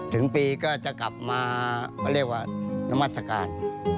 ถึงปีก็จะกลับมาเขาเรียกว่านมัศกาล